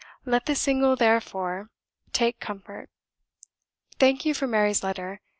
Let the single therefore take comfort. Thank you for Mary's letter.